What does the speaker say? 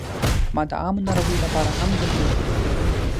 ما د عامو ناروغیو لپاره هم جملې جوړې کړې.